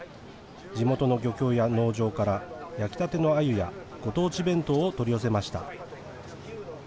地元の漁協や農場から焼きたてのアユやご当地弁当を取り寄せました。